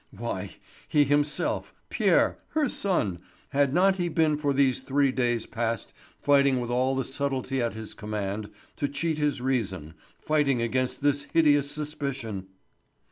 Why, he himself, Pierre, her son—had not he been for these three days past fighting with all the subtlety at his command to cheat his reason, fighting against this hideous suspicion?